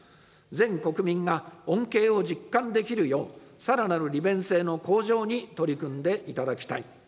全国民が恩恵を実感できるよう、さらなる利便性の向上に取り組んでいただきたい。